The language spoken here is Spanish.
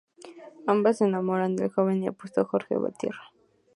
Ambas se enamoran del joven y apuesto Jorge Valtierra.